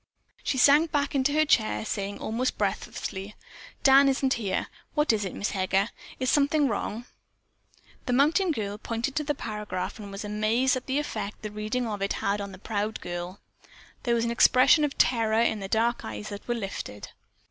She sank back into her chair, saying, almost breathlessly, "Dan isn't here. What is it, Miss Heger? Is something wrong?" The mountain girl pointed to the paragraph and was amazed at the effect the reading of it had upon the proud girl. There was an expression of terror in the dark eyes that were lifted.